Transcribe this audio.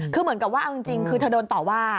คือเหมือนกับว่าเอาจริงคือเธอโดนต่อว่า